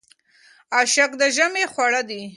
اشک د ژمي خواړه دي.